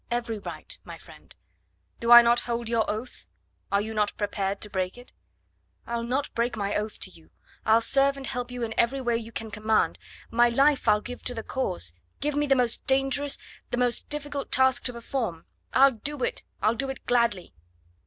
"Every right, my friend. Do I not hold your oath?... Are you not prepared to break it?" "I'll not break my oath to you. I'll serve and help you in every way you can command... my life I'll give to the cause... give me the most dangerous the most difficult task to perform.... I'll do it I'll do it gladly."